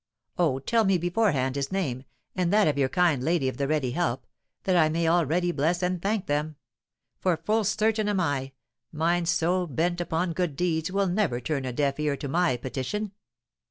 Oh, tell me beforehand his name, and that of your kind Lady of the Ready Help, that I may already bless and thank them; for full certain am I, minds so bent upon good deeds will never turn a deaf ear to my petition."